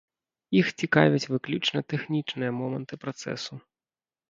Іх цікавяць выключна тэхнічныя моманты працэсу.